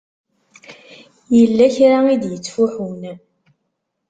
Yella kra i d-yettfuḥun.